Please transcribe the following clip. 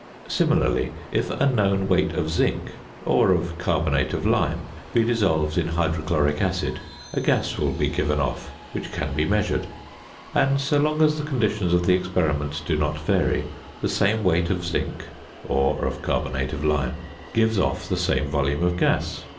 Similarly, if a known weight of zinc (or of carbonate of lime) be dissolved in hydrochloric acid, a gas will be given off which can be measured, and so long as the conditions of the experiment do not vary, the same weight of zinc (or of carbonate of lime) gives off the same volume of gas.